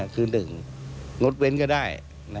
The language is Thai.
คือ๑งดเว้นก็ได้